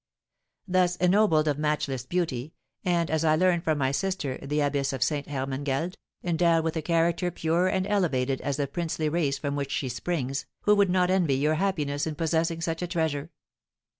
"Thus ennobled, of matchless beauty, and, as I learn from my sister, the abbess of Ste. Hermangeld, endowed with a character pure and elevated as the princely race from which she springs, who would not envy your happiness in possessing such a treasure?